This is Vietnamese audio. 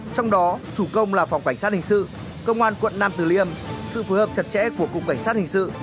trong đó chủ công là phòng cảnh sát hình sự công an quận nam từ liêm sự phối hợp chặt chẽ của cục cảnh sát hình sự